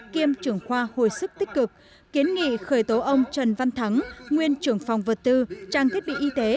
kiêm trưởng khoa hồi sức tích cực kiến nghị khởi tố ông trần văn thắng nguyên trưởng phòng vật tư trang thiết bị y tế